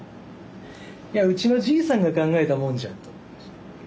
いやうちのじいさんが考えたもんじゃんと思いました。